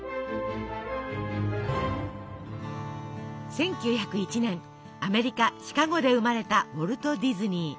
１９０１年アメリカシカゴで生まれたウォルト・ディズニー。